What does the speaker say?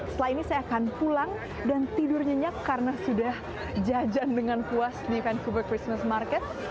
setelah ini saya akan pulang dan tidur nyenyak karena sudah jajan dengan puas di vancouver christmas market